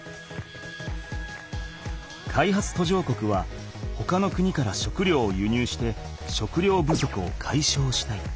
開発途上国はほかの国から食料を輸入して食料不足をかいしょうしたい。